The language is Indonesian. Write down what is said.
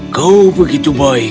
kau begitu baik